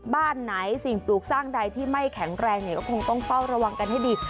บ้านไหนสิ่งปลูกสร้างใดที่ไม่แข็งแรงเนี่ยก็คงต้องเฝ้าระวังกันให้ดี